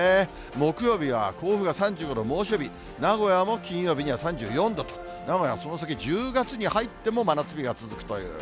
木曜日が、甲府が３５度、猛暑日、名古屋も金曜日には３４度と、名古屋はその先１０月に入っても真夏日が続くという。